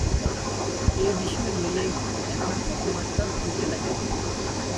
ঐ বিষয় লইয়াই এখন কথাবার্তা হইতে লাগিল।